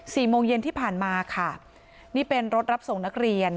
โมงเย็นที่ผ่านมาค่ะนี่เป็นรถรับส่งนักเรียน